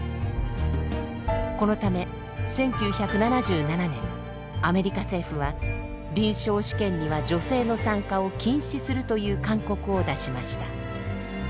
このため１９７７年アメリカ政府は臨床試験には女性の参加を禁止するという勧告を出しました。